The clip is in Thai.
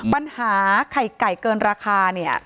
ปัญหาไข่ไก่เกินราคา